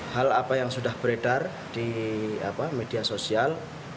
hal apa yang sudah beredar di media sosial